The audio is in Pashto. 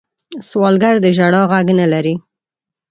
سوالګر د ژړا غږ نه لري